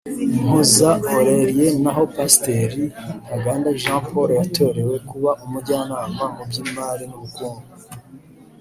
Umuhoza Aurélie naho Pasiteri Ntaganda Jean Paul yatorewe kuba Umujyanama mu by’imari n’ubukungu